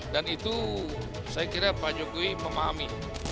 dan itu saya kira pak jokowi memahami